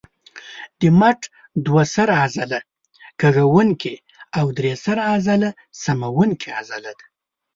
د مټ دوه سره عضله کږوونکې او درې سره عضله سموونکې عضله ده.